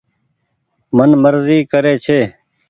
من مرزي ڪري ڇي ۔